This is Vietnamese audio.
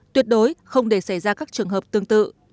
tuyệt đối không để xảy ra các trường hợp tương tự